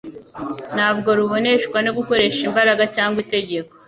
ntabwo ruboneshwa no gukoresha imbaraga cyangwa itegeko.